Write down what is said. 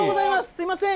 すみません。